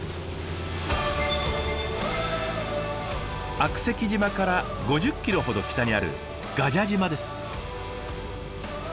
悪石島から５０ｋｍほど北にある臥蛇島です。